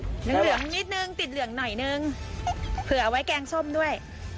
เหลืองนิดนึงติดเหลืองหน่อยนึงเผื่อเอาไว้แกงส้มด้วย